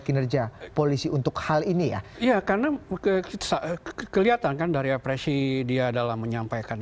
kinerja polisi untuk hal ini ya iya karena kelihatan kan dari apresi dia dalam menyampaikan